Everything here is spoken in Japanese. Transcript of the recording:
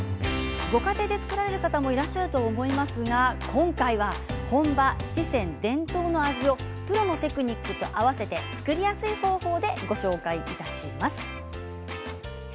ご家庭で作られる方もいらっしゃると思いますが今回は本場、四川伝統の味をプロのテクニックと合わせて作りやすい方法でご紹介いただきます。